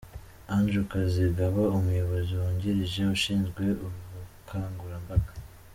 Andrew Kazigaba umuyobozi wungirije ushinzwe ubukangurambaga